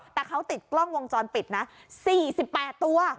แต่เขาติดกล้องวงจรปิดนะ๔๘ตัว